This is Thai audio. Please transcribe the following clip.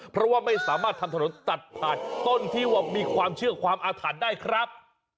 เพราะว่าไม่สามารถทำถนนตัดผ่านต้นที่ว่ามีความเชื่อความอาถรรพ์ได้ครับ